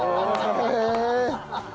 へえ！